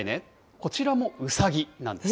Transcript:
こちらもうさぎなんです。